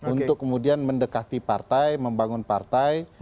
untuk kemudian mendekati partai membangun partai